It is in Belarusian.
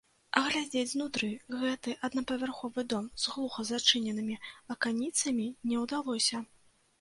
Агледзець знутры гэты аднапавярховы дом з глуха зачыненымі аканіцамі не ўдалося.